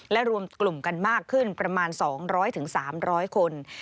และรวมกลุ่มกันมากขึ้นประมาณ๒๐๐๓๐๐คน